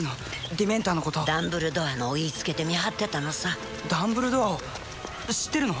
ディメンターのことダンブルドアのお言いつけで見張ってたのさダンブルドアを知ってるの？